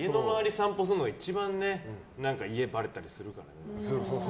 散歩するのが一番、家ばれたりするからね。